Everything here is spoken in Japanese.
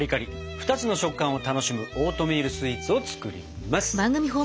２つの食感を楽しむオートミールスイーツを作ります！